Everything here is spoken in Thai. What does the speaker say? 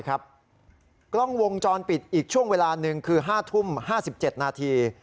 กล้องวงจรปิดอีกช่วงเวลาหนึ่งคือ๕ทุ่ม๕๗นาที